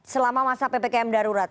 selama masa ppkm darurat